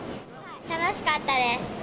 楽しかったです。